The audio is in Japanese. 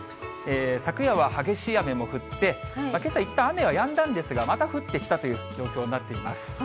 昨夜は激しい雨も降って、けさ、いったん雨はやんだんですが、また降ってきたという状況になっています。